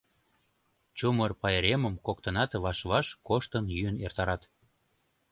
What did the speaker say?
Чумыр пайремым коктынак ваш-ваш коштын йӱын эртарат.